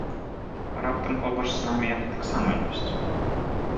Раптам побач з намі яны таксама ёсць?